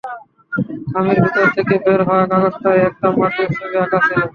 খামের ভেতর থেকে বের হওয়া কাগজটায় একটা মাঠের ছবি আঁকা ছিল।